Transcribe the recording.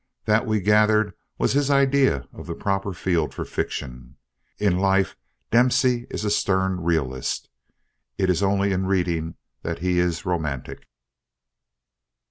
That we gathered was his idea of the proper field for fiction. In life Dempsey is a stern realist. It is only in reading that he is romantic.